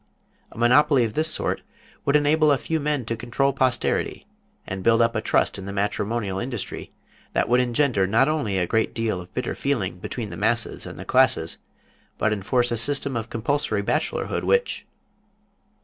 A monopoly of this sort would enable a few men to control posterity and build up a Trust in the Matrimonial Industry that would engender not only a great deal of bitter feeling between the masses and the classes, but enforce a system of compulsory bachelorhood which